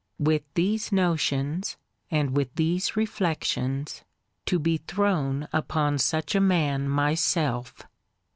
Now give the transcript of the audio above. With these notions, and with these reflections, to be thrown upon such a man myself!